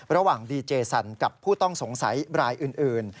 ระหว่างดีเจสันกับผู้ต้องสงสัยรายอื่น